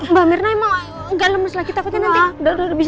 mbak mirna emang gak lemes lah kita akan nanti